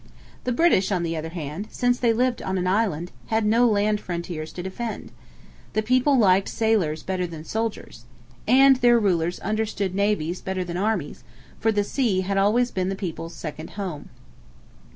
The British, on the other hand, since they lived on an island, had no land frontiers to defend. The people liked sailors better than soldiers. And their rulers understood navies better than armies, for the sea had always been the people's second home.